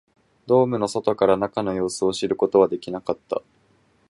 ドームの外から中の様子を知ることはできなかった